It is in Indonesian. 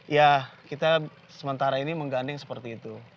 ya kita sementara ini mengganding seperti itu